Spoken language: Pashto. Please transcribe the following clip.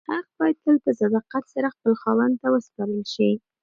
حق باید تل په صداقت سره خپل خاوند ته وسپارل شي.